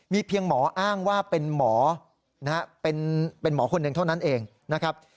มีเพียงหมออ้างว่าเป็นหมอคนหนึ่งเท่านั้นเองนะครับ